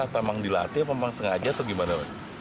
atau emang dilatih atau emang sengaja atau gimana